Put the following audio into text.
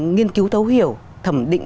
nghiên cứu thấu hiểu thẩm định